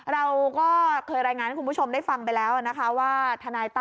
เราก็เคยรายงานให้คุณผู้ชมได้ฟังไปแล้วนะคะว่าทนายตั้